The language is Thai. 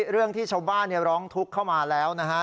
เรื่องที่ชาวบ้านร้องทุกข์เข้ามาแล้วนะฮะ